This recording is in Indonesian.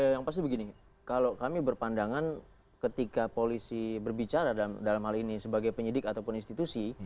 yang pasti begini kalau kami berpandangan ketika polisi berbicara dalam hal ini sebagai penyidik ataupun institusi